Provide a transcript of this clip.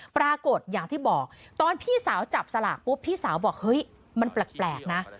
ปรากฏอย่างที่บอกตอนพี่สาวจับสลากปุ๊บพี่สาวบอกเฮ้ยมันแปลกนะ